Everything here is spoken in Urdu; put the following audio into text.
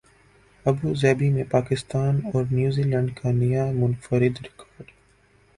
ابوظہبی میں پاکستان اور نیوزی لینڈ کا نیا منفرد ریکارڈ